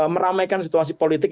meramaikan situasi politik